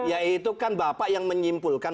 ya itu kan bapak yang menyimpulkan